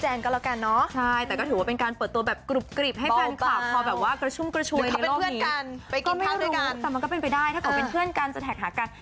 อันนี้คือเป็นการตั้งข้อสังเกตในซูชิ